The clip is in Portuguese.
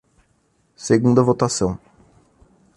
Segunda votação.